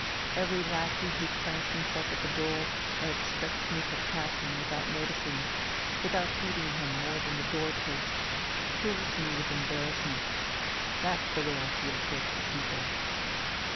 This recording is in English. Every lackey who plants himself at the door, and expects me to pass him without noticing, without heeding him more than the door posts, fills me with embarrassment, that's the way I feel towards the people...."